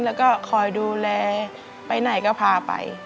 แล้วก็คอยดูแลไปไหนก็พาไป